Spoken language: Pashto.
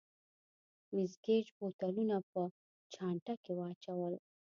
مېس ګېج بوتلونه په چانټه کې واچول.